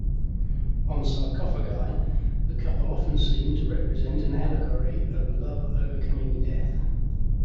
On sarcophagi, the couple often seem to represent an allegory of love overcoming death.